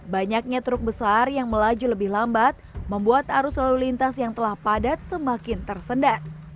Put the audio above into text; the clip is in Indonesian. banyaknya truk besar yang melaju lebih lambat membuat arus lalu lintas yang telah padat semakin tersendat